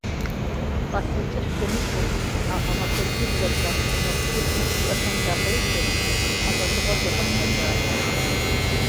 Пӏалъэ кӀыхь дымыщӀу, а гъэмахуэ дыдэм, нэхъ гъунэгъу дыдэу диӏэхэм дакъеджэри, ди хьэгъуэлӏыгъуэр зэфӏэдгъэкӏащ.